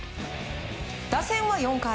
打線は４回。